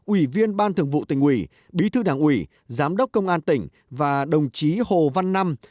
ủy viên ban thường vụ tỉnh ủy bí thư đảng ủy giám đốc công an tỉnh và đồng chí hồ văn năm